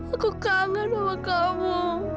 aku kangen sama kamu